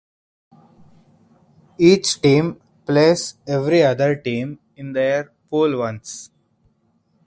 Each team plays every other team in their pool once.